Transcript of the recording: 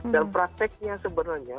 dan prakteknya sebenarnya